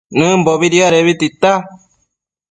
Nëmbobi diadebi tita